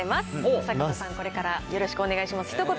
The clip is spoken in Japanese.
正門さん、これからよろしくお願いします。